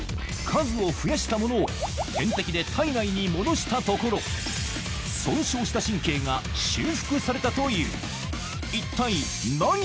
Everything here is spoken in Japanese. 数を増やしたものを点滴で体内に戻したところ、損傷した神経が、修復されたという。